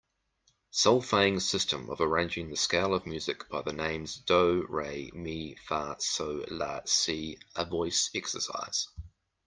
Solfaing system of arranging the scale of music by the names do, re, mi, fa, sol, la, si a voice exercise.